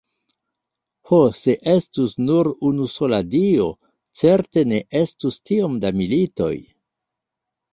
Ho, se estus nur unusola Dio, certe ne estus tiom da militoj.